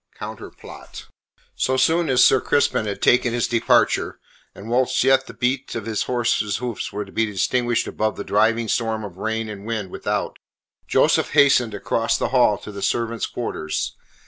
COUNTER PLOT So soon as Sir Crispin had taken his departure, and whilst yet the beat of his horse's hoofs was to be distinguished above the driving storm of rain and wind without, Joseph hastened across the hall to the servants' quarters.